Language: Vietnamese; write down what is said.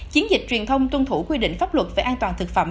chiến dịch truyền thông tuân thủ quy định pháp luật về an toàn thực phẩm